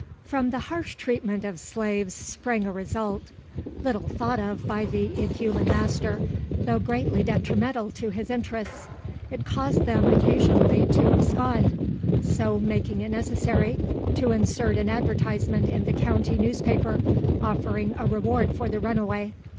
From the harsh treatment of slaves sprang a result, little thought of by the inhuman master; though greatly detrimental to his interests. It caused them occasionally to abscond; so making it necessary to insert an advertisement in the county newspaper, offering a reward for the runaway.